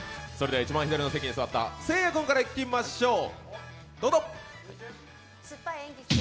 一番左の席に座ったせいや君からまいりましょう。